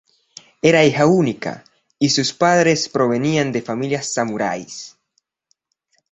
Era hija única, y sus padres provenían de familias de samuráis.